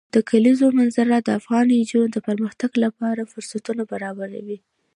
د کلیزو منظره د افغان نجونو د پرمختګ لپاره فرصتونه برابروي.